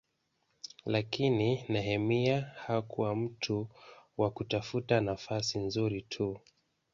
Lakini Nehemia hakuwa mtu wa kutafuta nafasi nzuri tu.